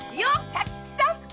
佐吉さん！